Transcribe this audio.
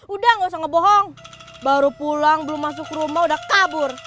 udah gak usah ngebohong baru pulang belum masuk rumah udah kabur